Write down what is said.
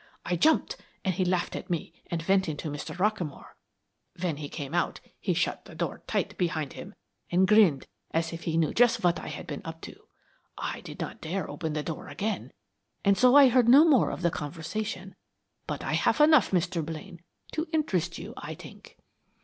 I jumped and he laughed at me and went in to Mr. Rockamore. When he came out he shut the door tight behind him and grinned as if he knew just what I had been up to. I did not dare open the door again, and so I heard no more of the conversation, but I have enough, Mr. Blaine, to interest you, I think."